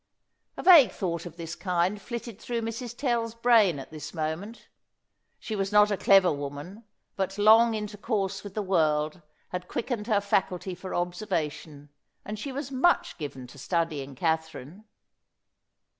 A vague thought of this kind flitted through Mrs. Tell's brain at this moment. She was not a clever woman, but long intercourse with the world had quickened her faculty for observation, and she was much given to studying Katherine.